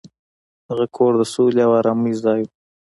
هغه کور د سولې او ارامۍ ځای و.